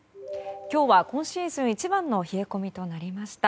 今日は今シーズン一番の冷え込みとなりました。